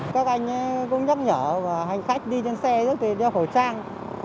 các anh cũng nhắc nhở hành khách đi trên xe trước thì đeo khẩu trang